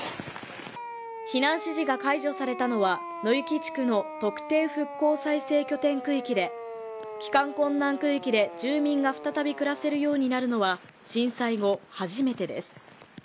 避難指示が解除されたのは、野行地区の特定復興再生拠点区域で帰還困難区域で住民が再び暮らせるように震災後初めてです。